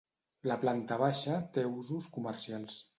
La planta baixa té usos comercials.